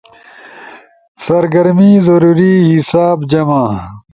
سرگرمی- ضروری- حساب- جمع=